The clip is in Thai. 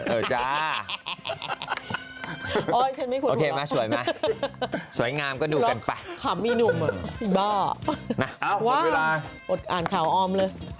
เออจ้าโอเคมาสวยมาสวยงามก็ดูกันป่ะอ่าวหมดเวลาอ่านข่าวอ้อมเลย